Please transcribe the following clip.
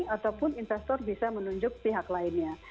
ataupun investor bisa menunjuk pihak lainnya